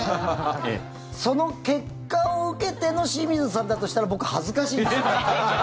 その結果を受けての清水さんだとしたら僕、恥ずかしいんですよね。